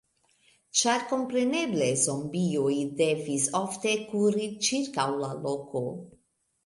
Ĉar kompreneble, zombioj devis ofte kuri ĉirkaŭ la loko...